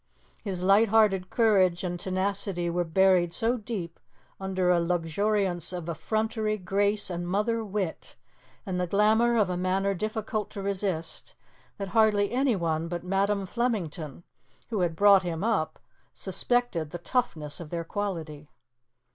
His light hearted courage and tenacity were buried so deep under a luxuriance of effrontery, grace, and mother wit, and the glamour of a manner difficult to resist, that hardly anyone but Madam Flemington, who had brought him up, suspected the toughness of their quality.